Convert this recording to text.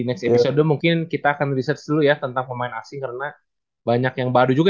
next episode mungkin kita akan research dulu ya tentang pemain asing karena banyak yang baru juga